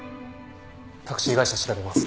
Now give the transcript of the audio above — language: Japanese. タクシー会社調べます。